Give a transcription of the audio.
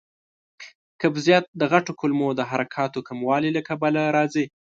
قبضیت د غټو کولمو د حرکاتو کموالي له کبله راځي.